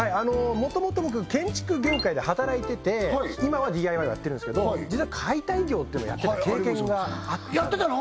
もともと僕建築業界で働いてて今はＤＩＹをやってるんですけど実は解体業っていうのをやってた経験があってやってたの？